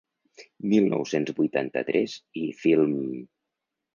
Mil nou-cents vuitanta-tres. i-Film...